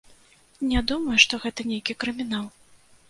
Не думаю, што гэта нейкі крымінал.